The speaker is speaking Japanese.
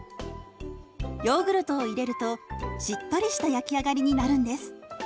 ヨーグルトを入れるとしっとりした焼き上がりになるんです。